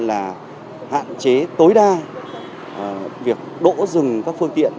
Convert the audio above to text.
là hạn chế tối đa việc đỗ dừng các phương tiện